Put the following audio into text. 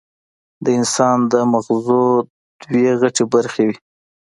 د انسان د مزغو دوه غټې برخې وي